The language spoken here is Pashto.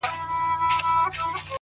o د پښتنو ماحول دی دلته تهمتوته ډېر دي؛